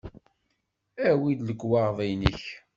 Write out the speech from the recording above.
Awi-d lekwaɣeḍ-nnek.